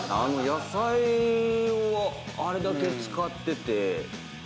野菜をあれだけ使ってて。